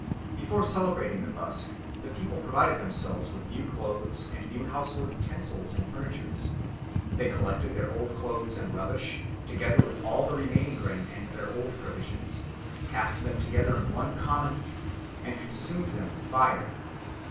Before celebrating the busk, the people provided themselves with new clothes and new household utensils and furniture; they collected their old clothes and rubbish, together with all the remaining grain and other old provisions, cast them together in one common heap, and consumed them with fire.